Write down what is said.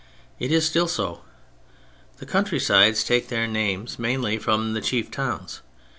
It is so still. The countrysides take their names mainly from their chief towns.